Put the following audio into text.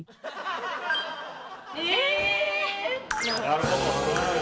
なるほど。